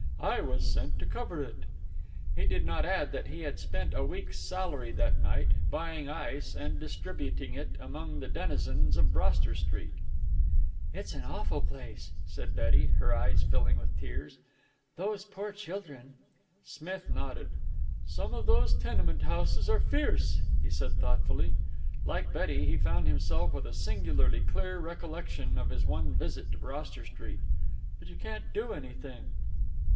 I was sent to cover it." He did not add that he had spent a week's salary that night, buying ice and distributing it among the denizens of Broster Street. "It's an awful place," said Betty, her eyes filling with tears. "Those poor children!" Smith nodded. "Some of those tenement houses are fierce," he said thoughtfully. Like Betty, he found himself with a singularly clear recollection of his one visit to Broster Street. "But you can't do anything."